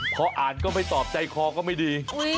พออ่านก็ไม่ตอบใจคอก็ไม่ดี